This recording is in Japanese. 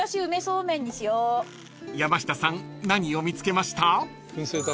［山下さん何を見つけました？］